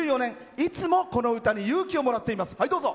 いつも、この歌に勇気をもらっています。